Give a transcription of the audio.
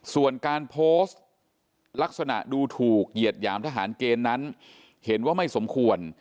ส่วนการโพสต์ลักษณะดูถูกเหยียดหยามทหารเกณฑ์นั้นเห็นว่าไม่สมควร